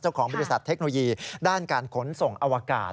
เจ้าของบริษัทเทคโนโลยีด้านการขนส่งอวกาศ